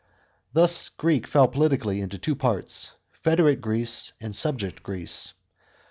Thus Greece fell politically into two parts : federate Greece and subject Greece.